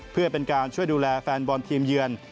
เพื่อเป็นการช่วยดูแลแฟนบอลทีมเยือน